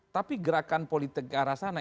tapi gerakan politik ke arah sana